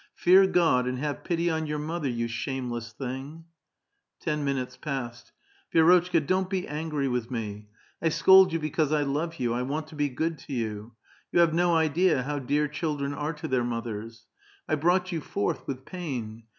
Fear God, and have pity on your mother, you shameless thing !" Ten minutes passed. " Vi^rotchka, don't be angry with me. I scold you be cause I love you ; I want to l>e good to 3'ou. You have no idea how dear children are to their mothei s. I brought you forth with pain.